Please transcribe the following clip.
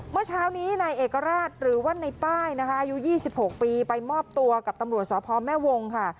เมื่อเช้านี้นายเอกราชหรือว่าในป้ายนะคะอายุ๒๖ปีไปมอบตัวกับตำรวจสพแม่วงค่ะ